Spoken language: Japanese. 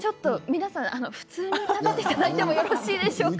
皆さん普通に食べていただいてよろしいですか。